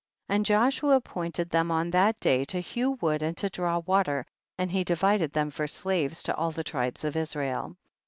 54. And Joshua appointed them on that day to hew wood and to draw water, and he divided them for slaves to all the tribes of Israel.